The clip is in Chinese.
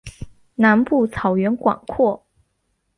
南部草原广阔。